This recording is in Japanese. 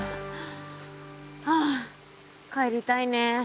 ああ帰りたいね。